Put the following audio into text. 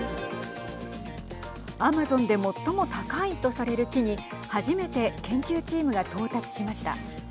アマゾンで最も高いとされる木に初めて研究チームが到達しました。